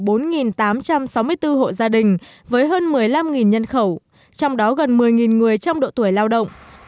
điều này ảnh hưởng đến cuộc sống của bốn tám trăm sáu mươi bốn hội gia đình với hơn một mươi năm nhân khẩu trong đó gần một mươi người trong độ tuổi lao động